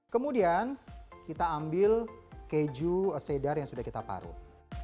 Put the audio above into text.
kemudian kita ambil keju sedar yang sudah kita parut